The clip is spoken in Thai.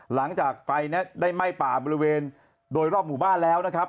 หลังจากไฟได้ไหม้ป่าบริเวณโดยรอบหมู่บ้านแล้วนะครับ